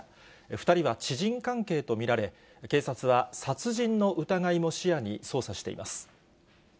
２人は知人関係と見られ、警察は殺人の疑いも視野に捜査しています。